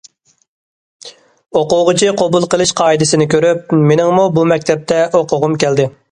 ئوقۇغۇچى قوبۇل قىلىش قائىدىسىنى كۆرۈپ، مېنىڭمۇ بۇ مەكتەپتە ئوقۇغۇم كەلدى.